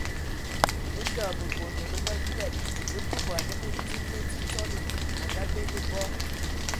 Ndɔ bəbonde bə ngadugan, bə kə bɔ anə Məndim mə Ntsotsɔli a ngabende bɔ.